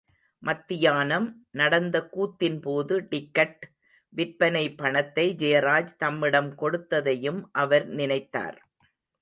மத்தியானம் நடந்த கூத்தின்போது, டிக்கட் விற்ற பணத்தை ஜெயராஜ் தம்மிடம் கொடுத்ததையும் அவர் நினைத்தார்.